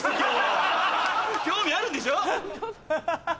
興味あるんでしょ？ハハハ！